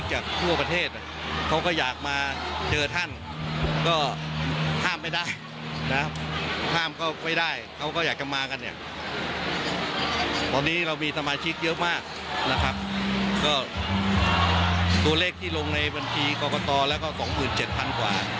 เหลือเวลาอีกไม่กี่นาทีแล้วนะคะ